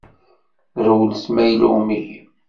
Rewlet ma yella umihi.